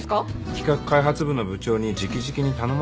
企画開発部の部長に直々に頼まれたんよ。